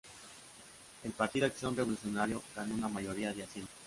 El Partido Acción Revolucionaria ganó una mayoría de asientos.